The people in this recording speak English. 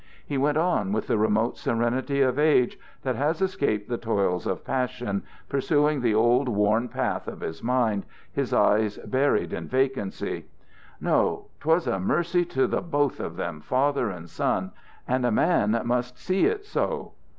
He went on with the remote serenity of age, that has escaped the toils of passion, pursuing the old, worn path of his mind, his eyes buried in vacancy. "No, 'twas a mercy to the both of them, father and son, and a man must see it so.